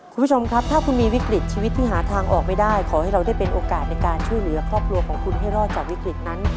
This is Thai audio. คุณผู้ชมครับถ้าคุณมีวิกฤตชีวิตที่หาทางออกไม่ได้ขอให้เราได้เป็นโอกาสในการช่วยเหลือครอบครัวของคุณให้รอดจากวิกฤตนั้น